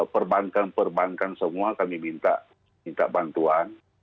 perbankan perbankan semua kami minta bantuan